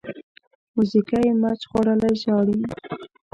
موزیګی مچ خوړلی ژاړي.